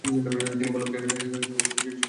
তিনি বল্লভাচার্যের শিষ্যত্ব গ্রহণ করেন।